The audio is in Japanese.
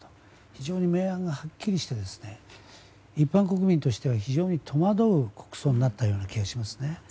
非常に明暗がはっきりして一般国民として非常に戸惑う国葬になった気がしますね。